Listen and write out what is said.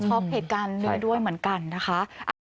ชอบเหตุการณ์ด้วยเหมือนกันนะคะ